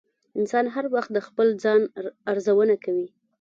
انسان هر وخت د خپل ځان ارزونه کوي.